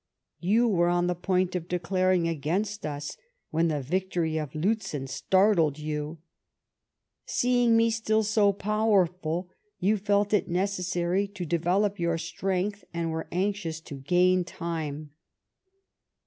y<iu were on the point of declaring against us, when the victory of Liitzen startled you. Seeing me still so powerful, you felt it necessary to develop your strength, and were anxious to ^uin time.